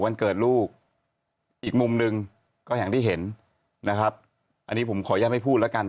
วันเกิดลูกอีกมุมหนึ่งก็อย่างที่เห็นนะครับอันนี้ผมขออนุญาตไม่พูดแล้วกัน